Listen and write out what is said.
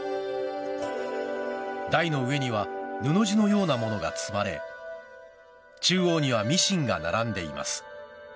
台の上には布地のようなものが積まれ中央にはミシンが並んでいます。